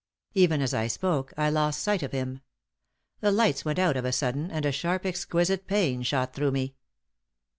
Even as I spoke, I lost sight of him. The lights went out of a sudden, and a sharp, exquisite pain shot through me.